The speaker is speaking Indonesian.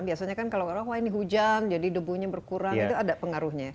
biasanya kan kalau wah ini hujan jadi debunya berkurang itu ada pengaruhnya